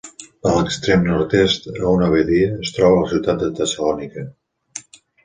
A l'extrem nord-est, a una badia, es troba la ciutat de Tessalònica.